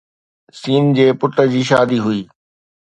س جي پٽ جي شادي هئي